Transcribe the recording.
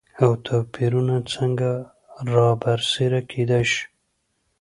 او توپېرونه څنګه رابرسيره کېداي شي؟